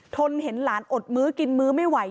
นเห็นหลานอดมื้อกินมื้อไม่ไหว